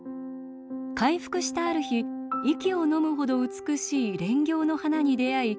回復したある日息をのむほど美しい連翹の花に出会い